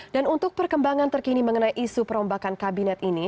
dan untuk perkembangan terkini mengenai isu perombakan kabinet ini